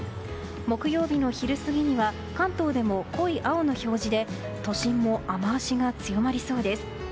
木曜日の昼過ぎには関東でも濃い青の表示で都心も雨脚が強まりそうです。